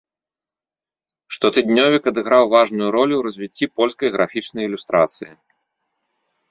Штотыднёвік адыграў важную ролю ў развіцці польскай графічнай ілюстрацыі.